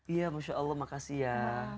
iya masya allah makasih ya